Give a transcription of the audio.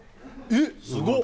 えっすごっ！